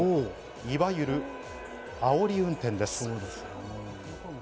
いわゆる、あおり運転です。